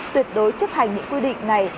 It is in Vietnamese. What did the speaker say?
tuyệt đối chấp hành những quy định này